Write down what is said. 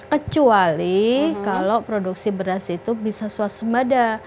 kecuali kalau produksi beras itu bisa swasembada